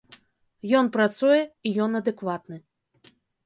Ён працуе, і ён адэкватны.